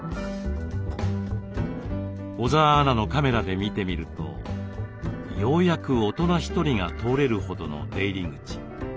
小澤アナのカメラで見てみるとようやく大人１人が通れるほどの出入り口。